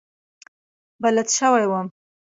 بلد شوی وم.